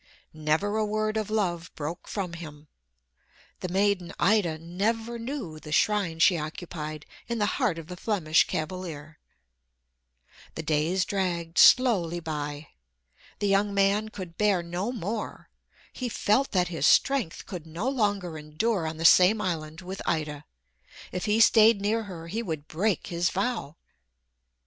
Never a word of love broke from him. The maiden Ida never knew the shrine she occupied in the heart of the Flemish cavalier. [Illustration: The peaceful snow capped summit of Mt. Pico] The days dragged slowly by. The young man could bear no more. He felt that his strength could no longer endure on the same island with Ida. If he stayed near her he would break his vow.